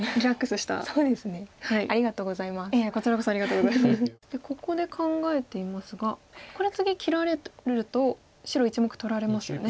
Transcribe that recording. そしてここで考えていますがこれ次切られると白１目取られますよね。